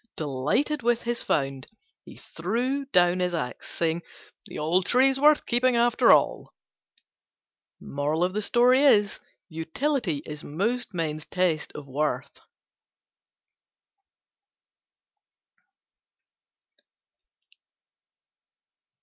Delighted with his find he threw down his axe, saying, "The old tree is worth keeping after all." Utility is most men's test of worth.